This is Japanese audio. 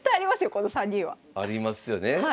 この３人は。ありますよね。